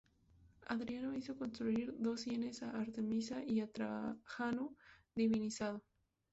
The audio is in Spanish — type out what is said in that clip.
Adriano hizo construir dos sienes a Artemisa y a Trajano divinizado.